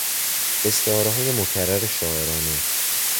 استعارههای مکرر شاعرانه